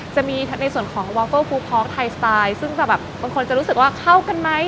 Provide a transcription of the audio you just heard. จะมีในส่วนของวอลเฟิลฟูพอกไทยสไตล์ซึ่งจะแบบบางคนจะรู้สึกว่าเข้ากันไหม